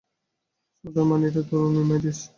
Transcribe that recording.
সদাই মানি রে তোরে, নিমাই দাস।